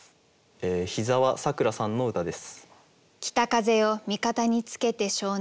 檜澤さくらさんの歌です。